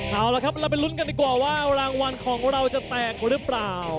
เอาละครับเราไปลุ้นกันดีกว่าว่ารางวัลของเราจะแตกกว่าหรือเปล่า